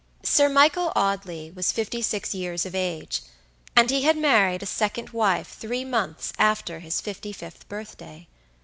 Sir Michael Audley was fifty six years of age, and he had married a second wife three months after his fifty fifth birthday.